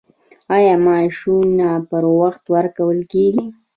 آیا معاشونه پر وخت ورکول کیږي؟